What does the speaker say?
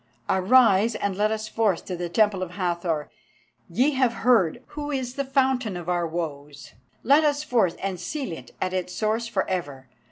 Arise, and let us forth to the Temple of the Hathor. Ye have heard who is the fountain of our woes; let us forth and seal it at its source for ever.